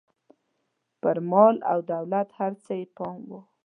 پر مال او دولت هر څه یې پام و.